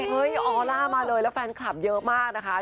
เฮ้ยออล่ามาเลยแล้วแฟนคลับเยอะมากนะคะ